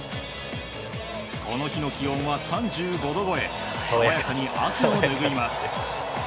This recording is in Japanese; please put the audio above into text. この日の気温は３５度超え爽やかに汗をぬぐいます。